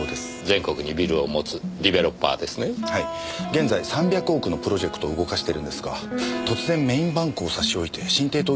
現在３００億のプロジェクトを動かしてるんですが突然メーンバンクを差し置いて新帝都